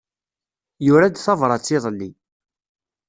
Yura-d tabṛat iḍelli.